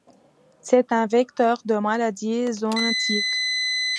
C'est un vecteur de maladies zoonotiques.